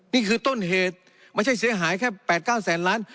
นี่คือต้นเหตุไม่ใช่เสียหายแค่๘๙แสนล้าน